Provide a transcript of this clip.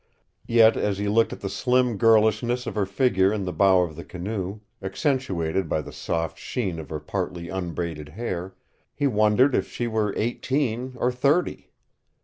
Yet as he looked at the slim girlishness of her figure in the bow of the canoe, accentuated by the soft sheen of her partly unbraided hair, he wondered if she were eighteen or thirty.